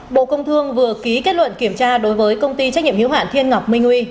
bộ công thương vừa ký kết luận kiểm tra đối với công ty trách nhiệm hiếu hạn thiên ngọc minh huy